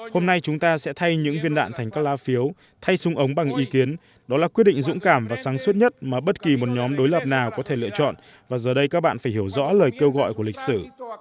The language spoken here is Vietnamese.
hôm nay chúng ta sẽ thay những viên đạn thành các lá phiếu thay sung ống bằng ý kiến đó là quyết định dũng cảm và sáng suốt nhất mà bất kỳ một nhóm đối lập nào có thể lựa chọn và giờ đây các bạn phải hiểu rõ lời kêu gọi của lịch sử